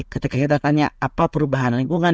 ketika kita tanya apa perubahan lingkungan